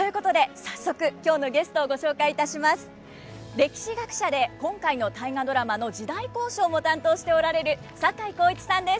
歴史学者で今回の「大河ドラマ」の時代考証も担当しておられる坂井孝一さんです。